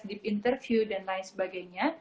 deep interview dan lain sebagainya